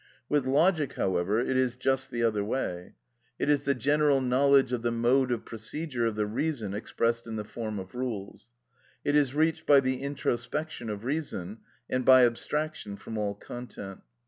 With logic, however, it is just the other way. It is the general knowledge of the mode of procedure of the reason expressed in the form of rules. It is reached by the introspection of reason, and by abstraction from all content.